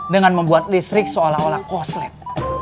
dengan membuat listrik seolah olah koslet